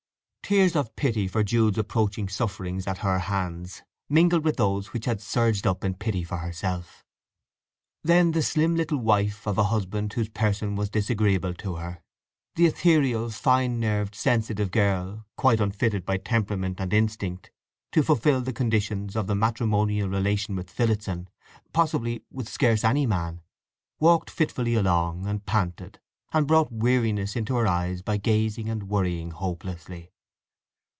—Tears of pity for Jude's approaching sufferings at her hands mingled with those which had surged up in pity for herself. Then the slim little wife of a husband whose person was disagreeable to her, the ethereal, fine nerved, sensitive girl, quite unfitted by temperament and instinct to fulfil the conditions of the matrimonial relation with Phillotson, possibly with scarce any man, walked fitfully along, and panted, and brought weariness into her eyes by gazing and worrying hopelessly.